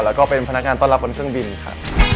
แล้วก็เป็นพนักงานต้อนรับบนเครื่องบินค่ะ